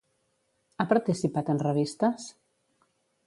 Ha participat en revistes?